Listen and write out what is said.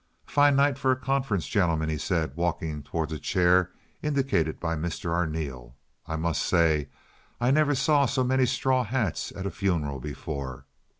"A fine night for a conference, gentlemen," he said, walking toward a chair indicated by Mr. Arneel. "I must say I never saw so many straw hats at a funeral before.